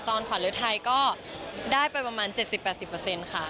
ตอนขวัดเลือดไทยก็ได้ไปประมาณเจ็ดสิบแปดสิบเปอร์เซ็นต์ค่ะ